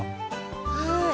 はい。